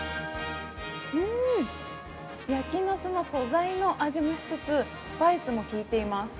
うーん、焼きなすの素材も味もしつつ、スパイスも効いています。